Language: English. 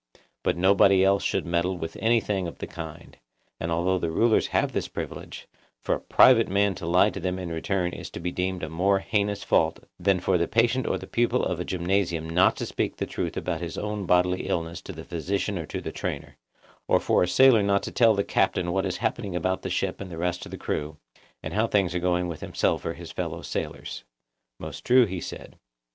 But nobody else should meddle with anything of the kind; and although the rulers have this privilege, for a private man to lie to them in return is to be deemed a more heinous fault than for the patient or the pupil of a gymnasium not to speak the truth about his own bodily illnesses to the physician or to the trainer, or for a sailor not to tell the captain what is happening about the ship and the rest of the crew, and how things are going with himself or his fellow sailors. Most true, he said.